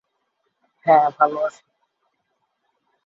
হ্যাঁ, ভালো আছি।